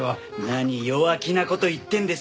何弱気な事言ってんですか。